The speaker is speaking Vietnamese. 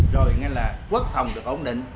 rồi ngay là quốc phòng được ổn định